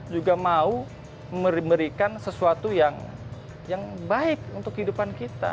juga mau memberikan sesuatu yang baik untuk kehidupan kita